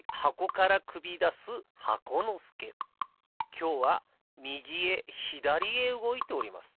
きょうはみぎへひだりへうごいております。